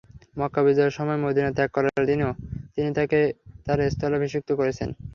মক্কা বিজয়ের সময় মদীনা ত্যাগ করার দিনও তিনি তাকে তাঁর স্থলাভিষিক্ত করেছেন।